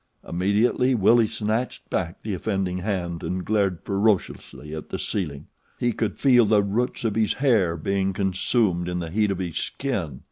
Immediately Willie snatched back the offending hand and glared ferociously at the ceiling. He could feel the roots of his hair being consumed in the heat of his skin.